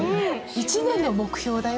１年の目標だよ？